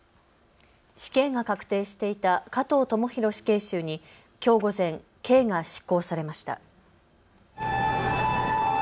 死刑が確定していた加藤智大死刑囚にきょう午前、刑が執行されました。